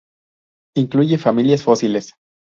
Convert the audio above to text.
Incluye familias fósiles.